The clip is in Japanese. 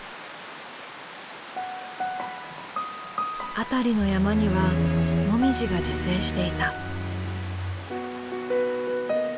辺りの山にはもみじが自生していた。